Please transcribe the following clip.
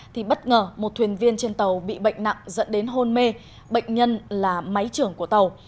thì bất ngờ một thuyền viên trên tàu bị bệnh nặng dẫn đến hôn mê bệnh nhân là máy trưởng của tàu